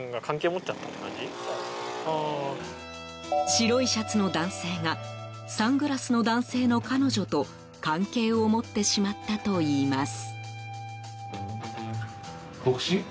白いシャツの男性がサングラスの男性の彼女と関係を持ってしまったといいます。